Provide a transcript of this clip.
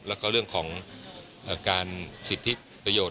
แล้วก็เรื่องของการสิทธิประโยชน